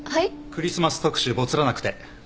クリスマス特集ボツらなくて。